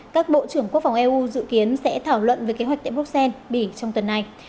các bộ trưởng quốc phòng eu dự kiến sẽ thảo luận về kế hoạch tại bruxelles bỉ trong tuần này